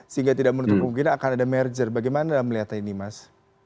sehingga tidak menutup kemungkinan akan ada merger bagaimana melihatnya ini mas